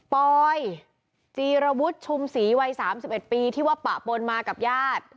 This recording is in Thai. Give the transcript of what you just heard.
ปอยจีรวุฒิชุมศรีวัย๓๑ปีที่ว่าปะปนมากับญาติ